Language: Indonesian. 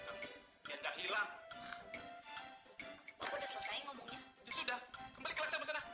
kamu biar nggak hilang bapak udah selesai ngomongnya ya sudah kembali kelas sama sana